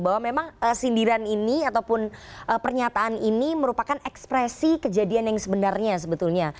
bahwa memang sindiran ini ataupun pernyataan ini merupakan ekspresi kejadian yang sebenarnya sebetulnya